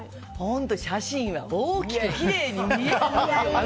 写真は大きくきれいに見えるのよ。